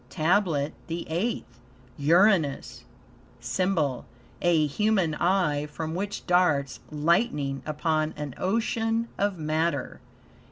TABLET THE EIGHTH Uranus SYMBOL A human eye, from which darts lightning upon an ocean of matter.